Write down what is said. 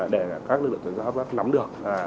để các lực lượng tổng trách kiểm soát nắm được